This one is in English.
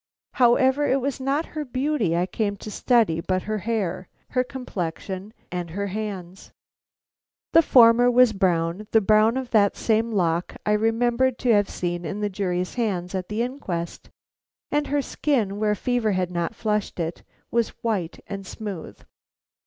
However, it was not her beauty I came to study, but her hair, her complexion, and her hands. The former was brown, the brown of that same lock I remembered to have seen in the jury's hands at the inquest; and her skin, where fever had not flushed it, was white and smooth.